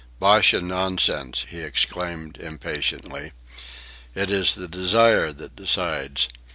"Bosh and nonsense!" he exclaimed impatiently. "It is the desire that decides.